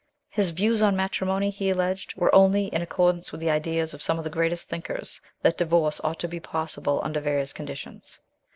His views on matrimony, he alleged, were only in accordance with the ideas of some of the greatest thinkers that divorce ought to be possible under various conditions.